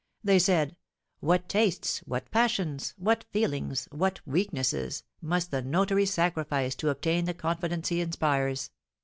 They said: "What tastes, what passions, what feelings, what weaknesses, must the notary sacrifice to obtain the confidence he inspires!